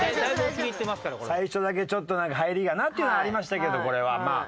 最初だけちょっと入りがなっていうのはありましたけどこれはまあ。